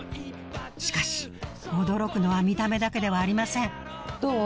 しかし驚くのは見た目だけではありませんどう？